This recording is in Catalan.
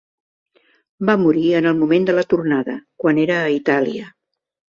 Va morir en el moment de la tornada, quan era a Itàlia.